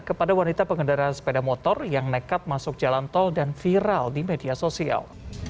kepada wanita pengendara sepeda motor yang nekat masuk jalan tol dan viral di media sosial